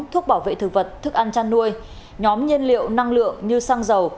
thuốc bảo vệ thực vật thức ăn chăn nuôi nhóm nhiên liệu năng lượng như xăng dầu